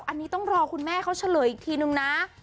อันนี้ต้องรอคุณแม่เขาเฉลยอีกทีนึงนะ